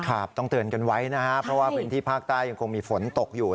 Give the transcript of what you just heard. ครับต้องเตือนกันไว้นะครับเพราะว่าพื้นที่ภาคใต้ยังคงมีฝนตกอยู่